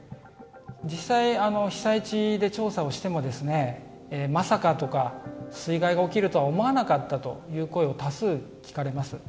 実際、被災地で調査をしてもまさかとか水害が起きるとは思わなかったという声を多数聞かれます。